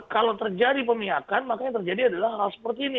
kalau terjadi pemihakan makanya terjadi adalah hal seperti ini